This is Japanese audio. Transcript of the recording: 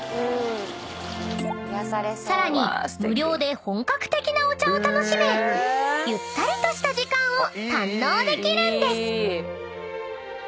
［さらに無料で本格的なお茶を楽しめゆったりとした時間を堪能できるんです］